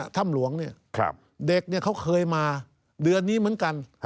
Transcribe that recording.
ถ้ำหลวงเนี่ยเด็กเขาเคยมาเดือนนี้เหมือนกัน